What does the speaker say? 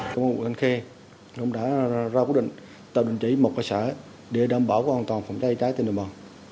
công an quận thanh khê đã ra quyết định tạo định trí một cơ sở để đảm bảo an toàn phòng cháy chữa cháy trên địa bàn